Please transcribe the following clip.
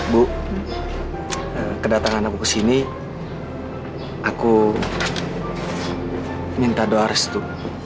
bu kedatangan aku kesini aku minta doa restu